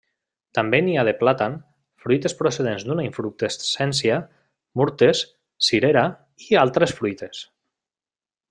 També n'hi ha de plàtan, fruites procedents d'una infructescència, murtes, cirera i altres fruites.